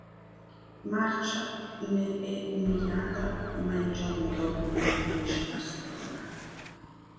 Marcia ne è umiliata ma il giorno dopo il marito riesce a farsi perdonare.